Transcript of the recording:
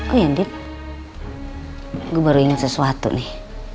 oh ya dit gue baru inget sesuatu nih